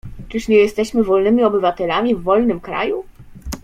"Czyż nie jesteśmy wolnymi obywatelami w wolnym kraju?"